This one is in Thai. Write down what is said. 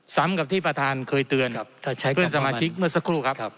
ซ้ำกับที่ประธานเคยเตือนเพื่อนสมาชิกเมื่อสักครู่ครับ